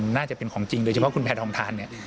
น่าจะเป็นของจริงโดยเฉพาะคุณแพทองทานเนี่ย